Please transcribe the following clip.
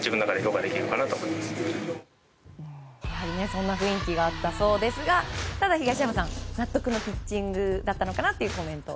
そんな雰囲気があったそうですがただ、東山さん納得のピッチングだったのかなというコメント。